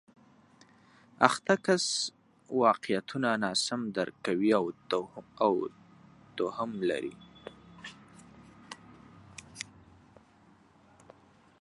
اخته کس واقعیتونه ناسم درک کوي او توهم لري